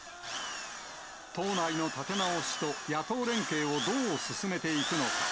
党内の立て直しと野党連携をどう進めていくのか。